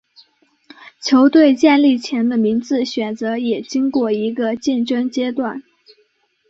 球队建立前的名字选择也经过一个竞争阶段。